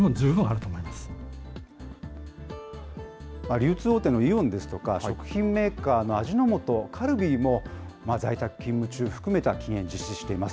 流通大手のイオンですとか、食品メーカーの味の素、カルビーも、在宅勤務中、含めた禁煙実施しています。